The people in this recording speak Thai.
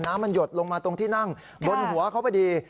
น้ำมันหยดลงมาตรงที่นั่งบนหัวเขาไปดี